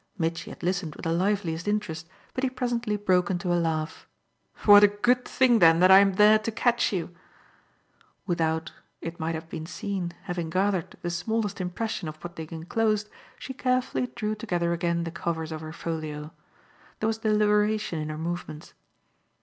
Mitchy had listened with the liveliest interest, but he presently broke into a laugh. "What a good thing then that I'm there to catch you!" Without it might have been seen having gathered the smallest impression of what they enclosed, she carefully drew together again the covers of her folio. There was deliberation in her movements.